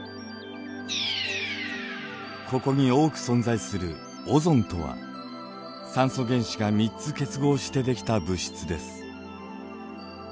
ここに多く存在するオゾンとは酸素原子が３つ結合して出来た物質です。